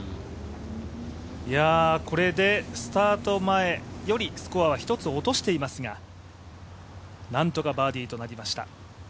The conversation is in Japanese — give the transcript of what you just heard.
これでスタート前よりスコアは１つ落としていますが何とかバーディーとなりました。